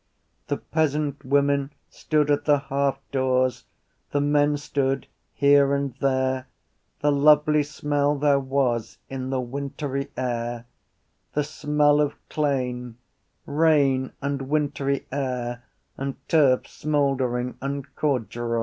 The peasant women stood at the halfdoors, the men stood here and there. The lovely smell there was in the wintry air: the smell of Clane: rain and wintry air and turf smouldering and corduroy.